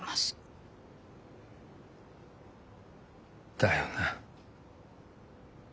だよな。